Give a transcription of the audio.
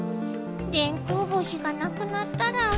電空星がなくなったら。